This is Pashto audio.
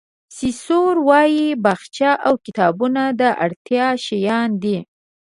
سیسرو وایي باغچه او کتابتون د اړتیا شیان دي.